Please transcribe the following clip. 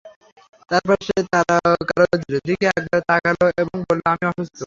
তারপর সে তারকারাজির দিকে একবার তাকাল এবং বলল, আমি অসুস্থ।